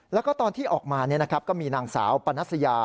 แล้วก็ตอนที่ออกมาก็มีนางสาวปนัสยา